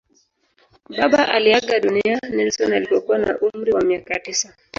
Baba aliaga dunia Nelson alipokuwa na umri wa miaka tisa.